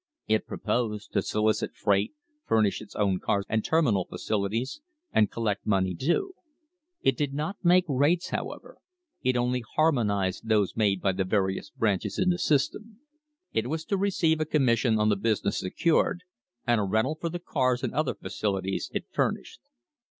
It proposed to solicit freight, furnish its own cars and terminal facilities, and collect money due. It did not make rates, however; it only harmonised those made by the various branches in the system. It was to receive a commission on the business secured, and a rental for the cars and other facilities it furnished.